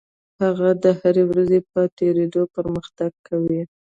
هغه د هرې ورځې په تېرېدو پرمختګ کوي.